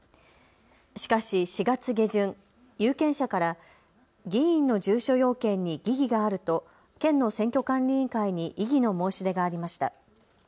しかし４月下旬、有権者から議員の住所要件に疑義があると県の選挙管理委員会に異議の申し出がありました。